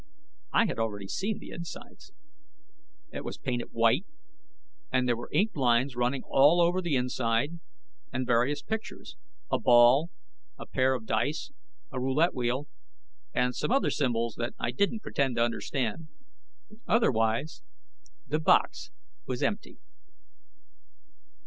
I had already seen the insides. It was painted white, and there were inked lines running all over the inside, and various pictures a ball, a pair of dice, a roulette wheel and some other symbols that I didn't pretend to understand. Otherwise, the box was empty.